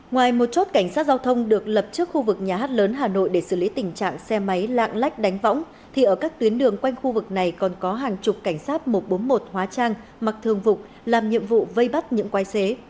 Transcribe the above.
ngoài một chốt cảnh sát giao thông được lập trước khu vực nhà hát lớn hà nội để xử lý tình trạng xe máy lạng lách đánh võng thì ở các tuyến đường quanh khu vực này còn có hàng chục cảnh sát một trăm bốn mươi một hóa trang mặc thương vục làm nhiệm vụ vây bắt những quay xế